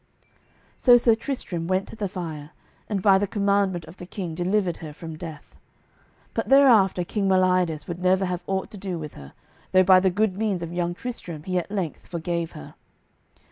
So Sir Tristram went to the fire, and by the commandment of the king delivered her from death. But thereafter King Meliodas would never have aught to do with her, though by the good means of young Tristram he at length forgave her.